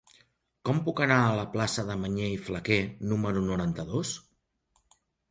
Com puc anar a la plaça de Mañé i Flaquer número noranta-dos?